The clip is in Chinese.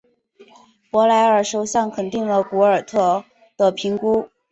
布莱尔首相肯定了古尔德的评估。